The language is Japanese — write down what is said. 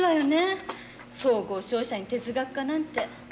総合商社に哲学科なんて。